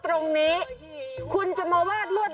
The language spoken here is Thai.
นี่ไงนักรบจะมาฝึกรบ